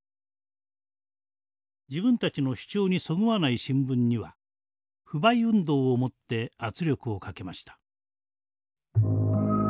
自分たちの主張にそぐわない新聞には不買運動をもって圧力をかけました。